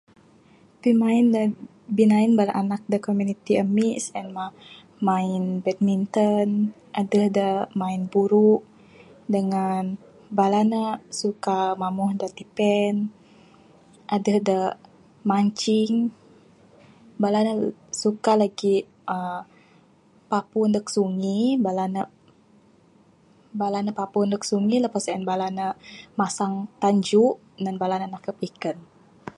Pimain da bina'in bala anak da komuniti amik sien mah main badminton. Aduh da main buru' dengan bala ne suka mamuh da tipen. Aduh da mancing. Bala ne suka lagik uhh papu nduh sungi, bala ne, bala ne papu nduh sungi, lepas sen bala ne masang tanjuk nan bala ne nakup ikan.